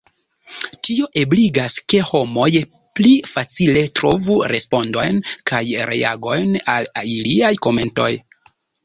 Tio ebligas, ke homoj pli facile trovu respondojn kaj reagojn al iliaj komentoj.